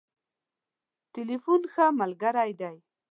ټليفون ښه ملګری دی.